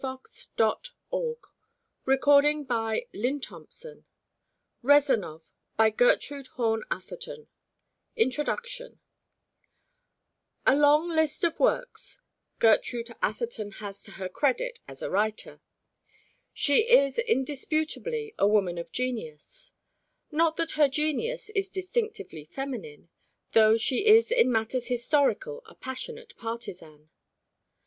REZANOV BY GERTRUDE ATHERTON With an Introduction by WILLIAM MARION REEDY INTRODUCTION A long list of works Gertrude Atherton has to her credit as a writer. She is indisputably a woman of genius. Not that her genius is distinctively feminine, though she is in matters historical a passionate partisan.